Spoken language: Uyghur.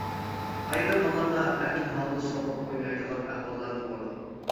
ئايرىم ھاللاردا ئەركىن ھالدا سوقۇپ ئوينايدىغان ئەھۋاللارمۇ بولىدۇ.